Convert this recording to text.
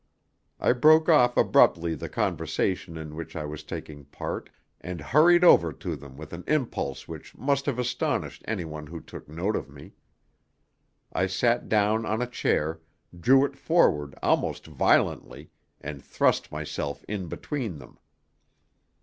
I broke off abruptly the conversation in which I was taking part, and hurried over to them with an impulse which must have astonished anyone who took note of me. I sat down on a chair, drew it forward almost violently, and thrust myself in between them.